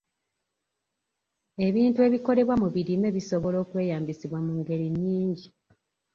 Ebintu ebikolebwa mu birime bisobola okweyambisibwa mu ngeri nnyingi.